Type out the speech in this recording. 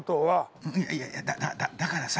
いやいやだだからさ